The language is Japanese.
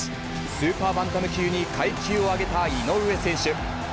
スーパーバンタム級に階級を上げた井上選手。